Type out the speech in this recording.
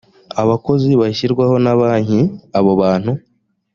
abakozi bashyirwaho na banki abo bantu